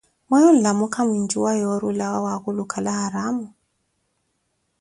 mweyo nlamu ka mwinjuwa yoori olawa wa akulukala haramuh?